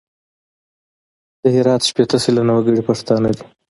د هرات شپېته سلنه وګړي پښتانه دي.